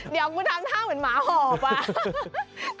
เดี๋ยวกูทำท่าเหมือนหมาหอบอะ